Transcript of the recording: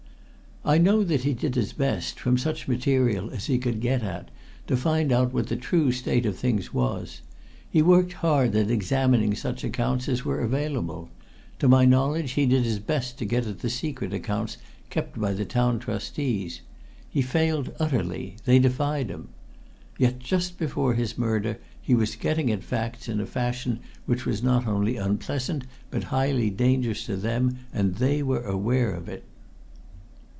"I know that he did his best, from such material as he could get at, to find out what the true state of things was. He worked hard at examining such accounts as were available. To my knowledge he did his best to get at the secret accounts kept by the Town Trustees. He failed utterly they defied him. Yet, just before his murder, he was getting at facts in a fashion which was not only unpleasant but highly dangerous to them, and they were aware of it."